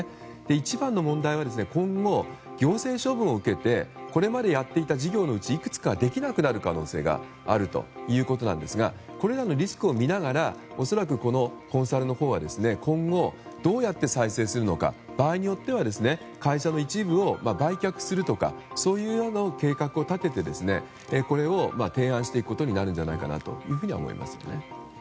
一番の問題は今後、行政処分を受けてこれまでやっていた事業のうちいくつかができなくなる可能性があるということなんですがこれらのリスクを見ながら恐らくコンサルは今後、どうやって再生するのか場合によっては会社の一部を売却するとかそういうような計画を立ててこれを提案していくことになるんじゃないかと思います。